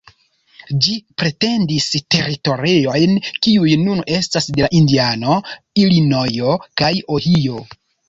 Ĝi pretendis teritoriojn, kiuj nun estas de Indiano, Ilinojo kaj Ohio.